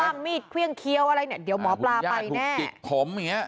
ความมี่เครียงเคี้ยวอะไรเดี๋ยวหมอปลาไปแน่